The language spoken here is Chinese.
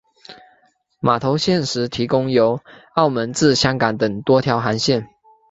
码头现时提供由澳门至香港等多条航线。